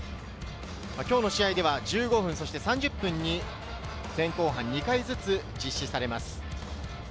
今日の試合では１５分、３０分に前・後半、２回ずつ実施されます。